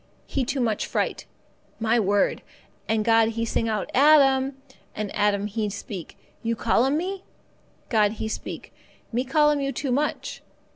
He too much fright. My word! And God He sing out, 'Adam!' And Adam he speak, 'You call 'm me?' God He speak, 'Me call 'm you too much.